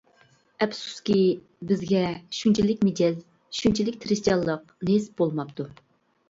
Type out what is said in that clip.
ئەپسۇسكى، بىزگە شۇنچىلىك مىجەز، شۇنچىلىك تىرىشچانلىق نېسىپ بولماپتۇ.